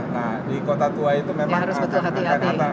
nah di kota tua itu memang harus betul hati hati